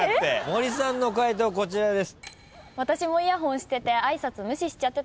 森さんの解答こちらです。